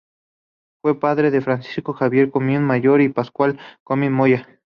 Fue padre de Francisco Javier Comín Moya y de Pascual Comín Moya.